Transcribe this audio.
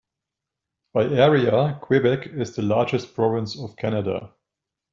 By area, Quebec is the largest province of Canada.